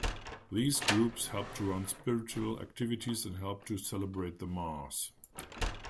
These groups help to run spiritual activities and help to celebrate the Mass.